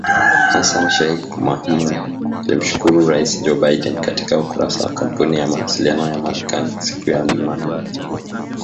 Hassan Sheikh Mohamud alimshukuru Rais Joe Biden katika ukurasa wa Kampuni ya mawasiliano ya Marekani siku ya Jumanne.